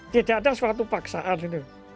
tidak ada suatu paksaan